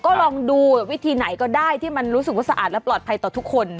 ก็ลองดูวิธีไหนก็ได้ที่มันรู้สึกว่าสะอาดและปลอดภัยต่อทุกคน